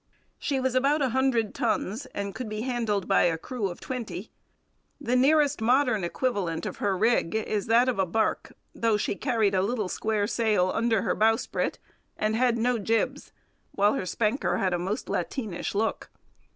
She was about a hundred tons and could be handled by a crew of twenty. The nearest modern equivalent of her rig is that of a barque, though she carried a little square sail under her bowsprit and had no jibs, while her spanker had a most lateenish look.